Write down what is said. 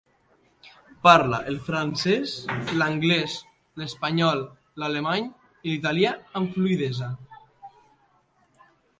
Parla el francès, l'anglès, l'espanyol, l'alemany i l'italià amb fluïdesa.